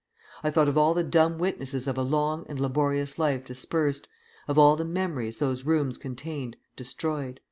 I thought of all the dumb witnesses of a long and laborious life dispersed, of all the memories those rooms contained destroyed."